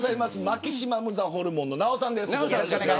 マキシマムザホルモンのナヲさんです。